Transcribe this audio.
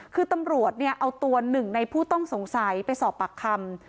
คือตำรวจเนี่ยเอาตัวหนึ่งในผู้ต้องสงสัยไปสอบปากคำ